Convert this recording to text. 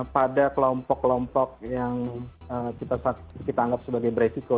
pada kelompok kelompok yang kita anggap sebagai beresiko